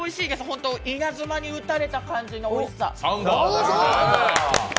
ホント、稲妻に打たれた感じのおいしさ。